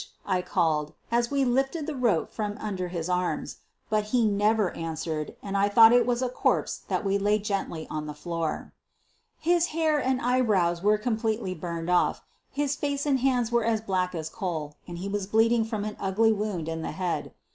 I called, as we lifted the rope from under his arms. But he never answered and I thought it was only a corpse that we laid gently on the floor. His hair and eyebrows were completely burned off, his face and hands were as black as coal and he was bleeding from an ugly wound in the head.